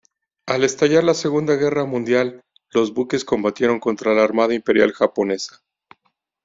Al estallar la Segunda Guerra Mundial, los buques combatieron contra la Armada Imperial Japonesa.